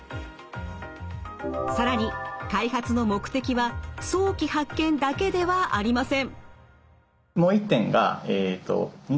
更に開発の目的は早期発見だけではありません。